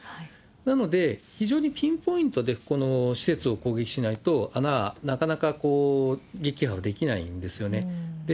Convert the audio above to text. なので、非常にピンポイントでこの施設を攻撃しないと、なかなか撃破はできないんですよね。